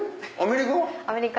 アメリカ？